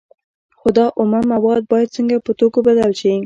خو دا اومه مواد باید څنګه په توکو بدل شي